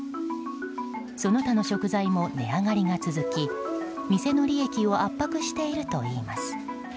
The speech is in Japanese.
その他の食材も値上がりが続き店の利益を圧迫しているといいます。